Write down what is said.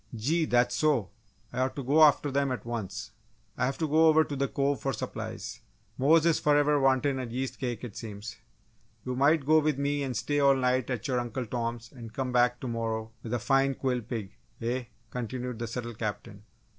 "Gee! That's so! I ought to go after them at once!" "I have to go over to the Cove for supplies Mose is forever wantin' a yeast cake, it seems! You might go with me and stay all night at your Uncle Tom's and come back to morrow with a fine quill pig, eh?" continued the subtle Captain.